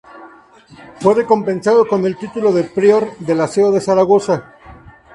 Fue recompensado con el título de Prior de La Seo de Zaragoza.